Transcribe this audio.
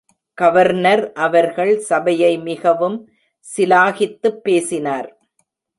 Governor அவர்கள் சபையை மிகவும் சிலாகித்துப் பேசினார்.